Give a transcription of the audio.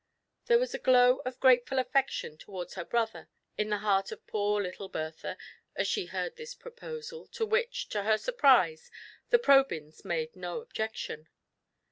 There was a glow of grateful affection towards her brother in the heart of poor little Bertha as she heard this proposal, to which, to her surprise, the Probyns made no objection.